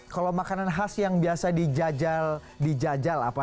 kalau makanan khas yang biasa dijajal apa